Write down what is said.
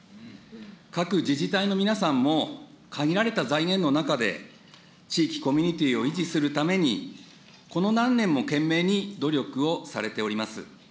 各自治体の皆さんも限られた財源の中で、地域コミュニティーを維持するために、この何年も懸命に努力をされております。